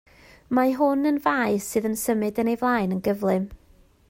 Mae hwn yn faes sydd yn symud yn ei flaen yn gyflym.